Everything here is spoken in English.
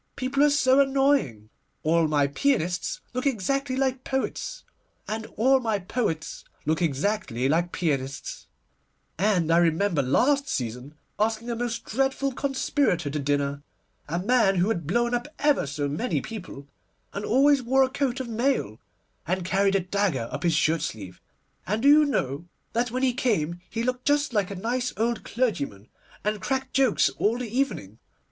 People are so annoying. All my pianists look exactly like poets, and all my poets look exactly like pianists; and I remember last season asking a most dreadful conspirator to dinner, a man who had blown up ever so many people, and always wore a coat of mail, and carried a dagger up his shirt sleeve; and do you know that when he came he looked just like a nice old clergyman, and cracked jokes all the evening?